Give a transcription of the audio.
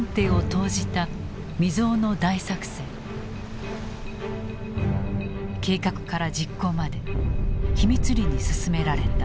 計画から実行まで秘密裏に進められた。